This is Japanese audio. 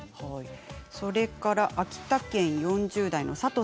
それから秋田県４０代の方。